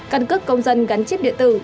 căn cước công dân gắn chip điện tử